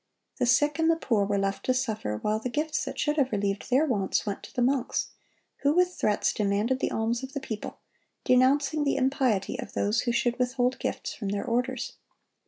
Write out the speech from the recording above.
The sick and the poor were left to suffer, while the gifts that should have relieved their wants went to the monks, who with threats demanded the alms of the people, denouncing the impiety of those who should withhold gifts from their orders.